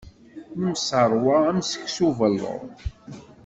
Nemseṛwa am seksu ubelluḍ.